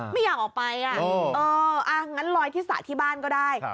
ไม่อยากออกไปงั้นลอยที่สระที่บ้านก็ได้